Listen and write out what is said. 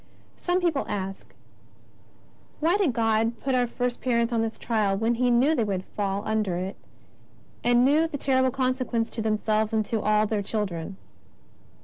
Some people ask :" Why did God put our first parents to this trial when He knew they would fall under it, and knew the terrible consequence to them selves and to all their children